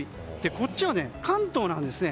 こっちは関東なんですね。